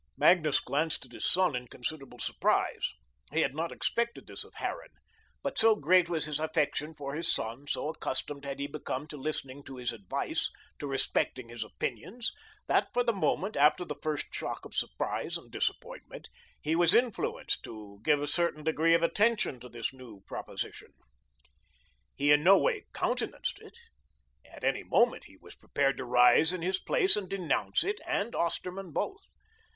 Magnus glanced at his son in considerable surprise. He had not expected this of Harran. But so great was his affection for his son, so accustomed had he become to listening to his advice, to respecting his opinions, that, for the moment, after the first shock of surprise and disappointment, he was influenced to give a certain degree of attention to this new proposition. He in no way countenanced it. At any moment he was prepared to rise in his place and denounce it and Osterman both.